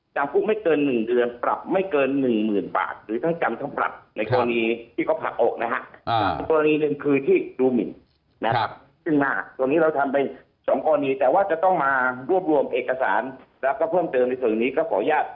ตัวนี้หนึ่งคือที่ดูหมินนะครับตรงหน้าตรงนี้เราทำเป็นสองส่วนหนีแต่ว่าจะต้องมารวบรวมเอกสารแล้วก็เพิ่มเติมที่สุดนี้ก็ขออนุทีที่ปล่อย